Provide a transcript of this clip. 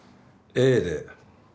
Ａで。